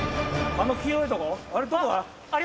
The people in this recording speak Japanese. あれどこだ？